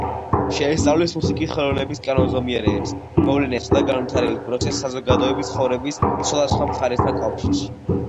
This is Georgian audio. შეისწავლის მუსიკის ხელოვნების კანონზომიერებებს, მოვლენებსა და განვითარების პროცესს საზოგადოების ცხოვრების სხვადასხვა მხარესთან კავშირში.